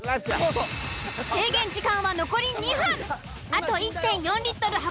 制限時間は残り２分。